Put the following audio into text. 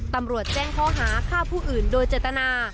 ตำรวจแจ้งเขาหาข้าวผู้อื่นโดยจตนา